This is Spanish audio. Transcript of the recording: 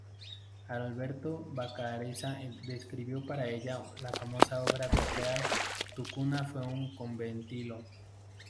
Alberto Vacarezza escribió para ella la famosa obra teatral "Tu cuna fue un conventillo".